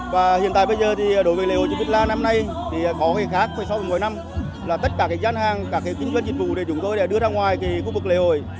và hiện tại bây giờ thì đối với lễ hội trịnh bích la năm nay thì có cái khác cái sau mỗi năm là tất cả các gian hàng các kinh doanh dịch vụ để chúng tôi đưa ra ngoài khu vực lễ hội